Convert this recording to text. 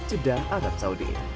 cedang arab saudi